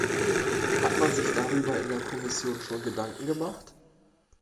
Hat man sich darüber in der Kommission schon Gedanken gemacht?